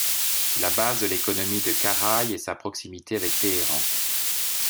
La base de l'économie de Karaj est sa proximité avec Téhéran.